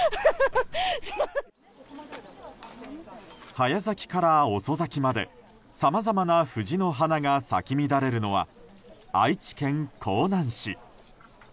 早咲きから遅咲きまでさまざまな藤の花が咲き乱れるのは愛知県江南市。